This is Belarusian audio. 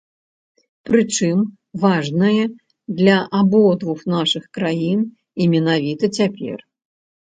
Прычым, важнае для абодвух нашых краін і менавіта цяпер.